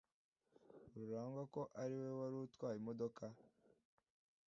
Rurangwa ko ari we wari utwaye imodoka.